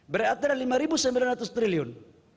berarti ada rp lima sembilan ratus triliun